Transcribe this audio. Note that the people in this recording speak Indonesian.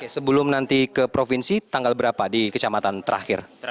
sebelum nanti ke provinsi tanggal berapa di kecamatan terakhir